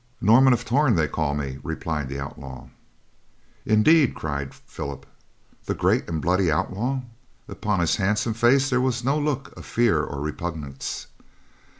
"Norman of Torn, they call me," replied the outlaw. "Indeed!" cried Philip. "The great and bloody outlaw?" Upon his handsome face there was no look of fear or repugnance.